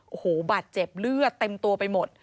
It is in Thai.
โอ้โหบาดเจ็บเลือดเต็มตัวไปหมด